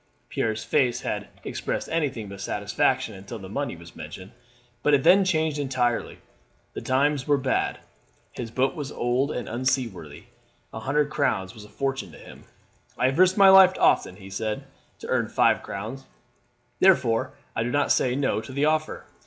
Pierre's face had expressed anything but satisfaction until the money was mentioned, but it then changed entirely. The times were bad his boat was old and unseaworthy a hundred crowns was a fortune to him. "I have risked my life often," he said, "to earn five crowns, therefore I do not say no to the offer.